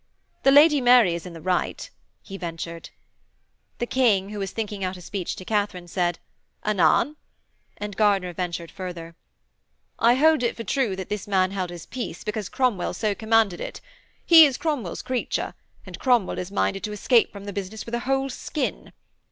'The Lady Mary is in the right,' he ventured. The King, who was thinking out a speech to Katharine, said, 'Anan?' and Gardiner ventured further: 'I hold it for true that this man held his peace, because Cromwell so commanded it. He is Cromwell's creature, and Cromwell is minded to escape from the business with a whole skin.'